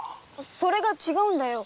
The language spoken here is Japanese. それが違うんだよ。